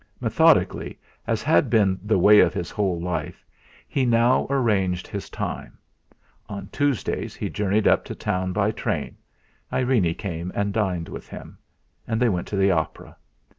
Methodically, as had been the way of his whole life, he now arranged his time. On Tuesdays he journeyed up to town by train; Irene came and dined with him. And they went to the opera.